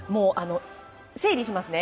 整理しますね。